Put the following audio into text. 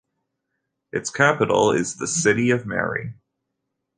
Its capital is the city of Mary.